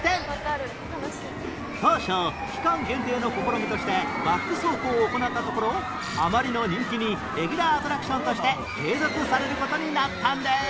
当初期間限定の試みとしてバック走行を行ったところあまりの人気にレギュラーアトラクションとして継続される事になったんです